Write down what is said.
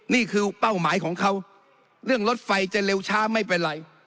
เป้าหมายของเขาเรื่องรถไฟจะเร็วช้าไม่เป็นไร